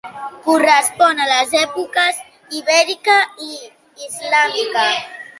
Correspon a les èpoques ibèrica i islàmica.